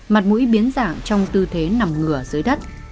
mặt mũi biến dạng trong tư thế nằm ngửa dưới đất